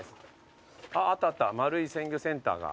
あったあったまるい鮮魚センターが。